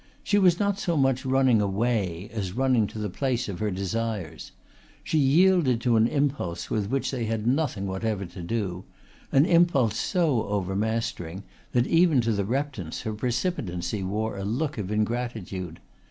She was not so much running away as running to the place of her desires. She yielded to an impulse with which they had nothing whatever to do, an impulse so overmastering that even to the Reptons her precipitancy wore a look of ingratitude.